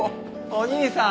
お義兄さん！